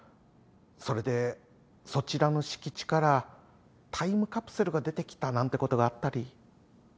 それでそちらの敷地からタイムカプセルが出てきたなんてことがあったり。